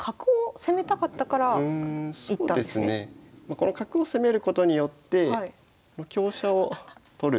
この角を攻めることによって香車を取る。